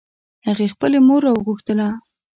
هغې خپل مور راوغوښتله